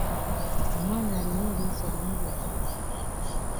Omwana alina eriiso limu lyokka.